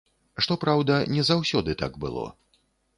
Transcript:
Што праўда, не заўсёды так было.